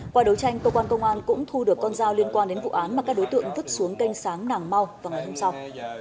qua đấu tranh cơ quan công an cũng thu được con dao liên quan đến vụ án mà các đối tượng vứt xuống canh sáng nàng mau vào ngày hôm sau